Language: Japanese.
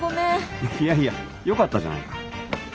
いやいやよかったじゃないか。